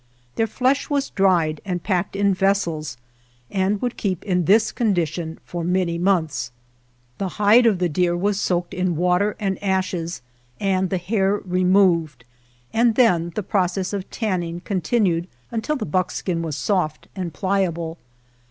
Their flesh was dried and packed in vessels, and would keep in this condition for many si GERONIMO months. The hide of the deer was soaked in water and ashes and the hair removed, and then the process of tanning continued until the buckskin was soft and pliable.